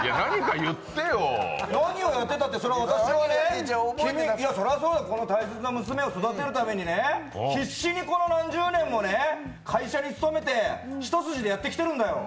何をやってたって、私のね、そりゃそうよ、この大切な娘を育てるためにね、必死にこの何十年もね、会社に勤めて、一筋でやってきてるんだよ。